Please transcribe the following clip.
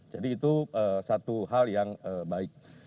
jadi itu satu hal yang baik